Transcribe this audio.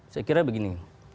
saya kira begini